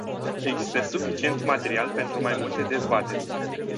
Există suficient material pentru mai multe dezbateri.